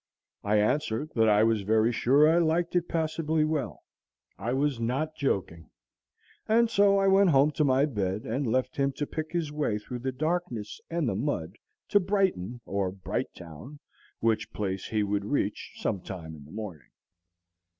I answered that I was very sure I liked it passably well; I was not joking. And so I went home to my bed, and left him to pick his way through the darkness and the mud to Brighton,—or Bright town,—which place he would reach some time in the morning.